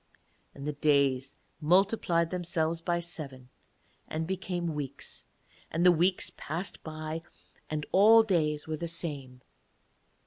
And the days multiplied themselves by seven and became weeks, and the weeks passed by, and all days were the same.